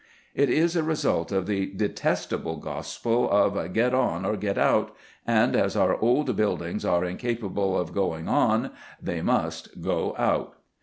It is a result of the detestable gospel of get on or get out, and as our old buildings are incapable of going on they must go out.